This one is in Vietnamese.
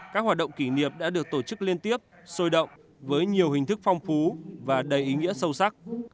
các hoạt động kỷ niệm đã được tổ chức liên tiếp sôi động với nhiều hình thức phong phú và đầy ý nghĩa sâu sắc